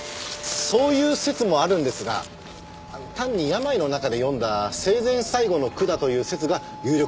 そういう説もあるんですが単に病の中で詠んだ生前最後の句だという説が有力です。